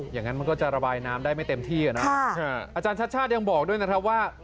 อย่างนั้นมันก็จะระบายน้ำได้ไม่เต็มที่อ่ะนะอาจารย์ชาติชาติยังบอกด้วยนะครับว่า